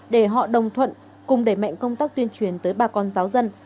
để họ đồng thuận cùng đẩy mạnh công tác tuyên truyền tới bà con giáo dân